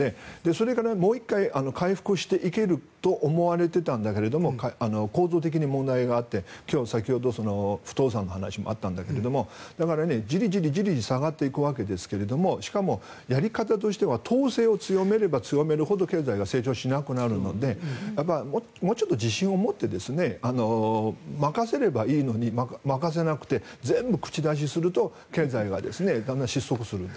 それからもう１回回復していけると思われていたんだけど構造的に問題があって先ほど、不動産の話もあったんだけれどもだからじりじり下がっていくわけですがしかも、やり方としては統制を強めれば強めるほど経済が成長しなくなるのでもうちょっと自信を持って任せればいいのに任せなくて全部口出しすると経済がだんだん失速する。